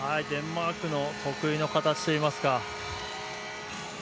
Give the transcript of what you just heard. デンマークの得意の形といいますか。